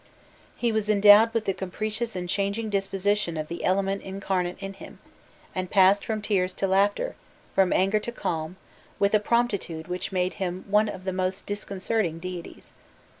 He was endowed with the capricious and changing disposition of the element incarnate in him, and passed from tears to laughter, from anger to calm, with a promptitude which made him one of the most disconcerting deities.